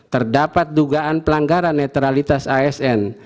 terdapat dugaan pelanggaran netralitas asn